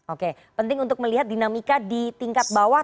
oke penting untuk melihat dinamika di tingkat bawah